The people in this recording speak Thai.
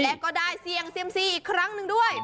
และก็ได้เสี่ยงเซียมซีอีกครั้งหนึ่งด้วย